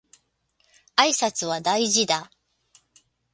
挨拶は大事だ